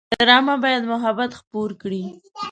ډرامه باید محبت خپور کړي